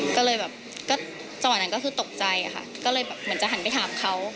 ก็เลยแบบก็จังหวะนั้นก็คือตกใจค่ะก็เลยแบบเหมือนจะหันไปถามเขา